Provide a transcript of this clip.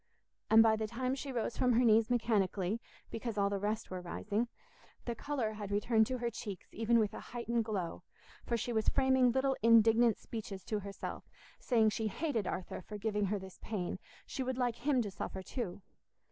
And by the time she rose from her knees mechanically, because all the rest were rising, the colour had returned to her cheeks even with a heightened glow, for she was framing little indignant speeches to herself, saying she hated Arthur for giving her this pain—she would like him to suffer too.